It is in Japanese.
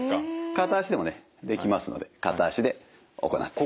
片足でもねできますので片足で行っていくと。